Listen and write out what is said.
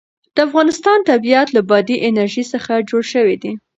د افغانستان طبیعت له بادي انرژي څخه جوړ شوی دی.